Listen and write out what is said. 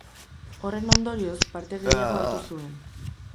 Horren ondorioz, parte gehiago hartu zuen.